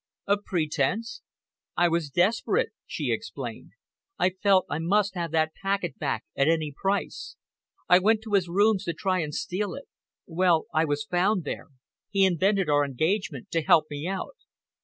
"A pretence?" "I was desperate," she explained. "I felt I must have that packet back at any price. I went to his rooms to try and steal it. Well, I was found there. He invented our engagement to help me out."